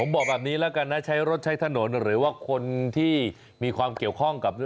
ผมบอกแบบนี้แล้วกันนะใช้รถใช้ถนนหรือว่าคนที่มีความเกี่ยวข้องกับ